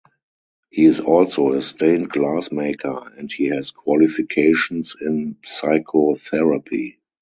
He is also a stained glass maker, and he has qualifications in Psychotherapy.